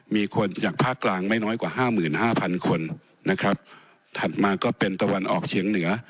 มีคนจากภาคกลางไม่น้อยกว่าห้าหมื่นห้าพันคนนะครับถัดมาก็เป็นตะวันออกเฉียงเหนือ